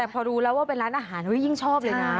พอรู้แล้วว่าเป็นร้านอาหารยิ่งชอบเลยนะ